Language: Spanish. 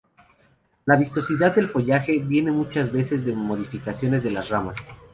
La vistosidad del follaje, viene muchas veces de modificaciones de las ramas.